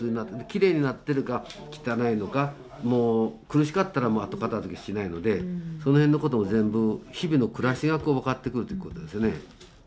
きれいになってるか汚いのかもう苦しかったらもう後片づけしないのでその辺のことも全部日々の暮らしが分かってくるということですよね。